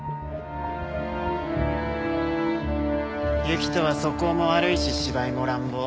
行人は素行も悪いし芝居も乱暴。